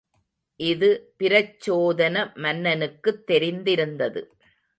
இது பிரச்சோதன மன்னனுக்குத் தெரிந்திருந்தது.